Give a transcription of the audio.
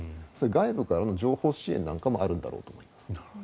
外部からの情報支援なんかもあるんだと思います。